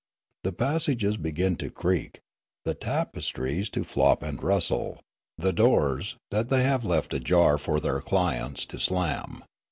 The passages begin to creak, the tapestries to flop and rustle, the 33^ Riallaro doors, that tliej have left ajar for their clients, to slam.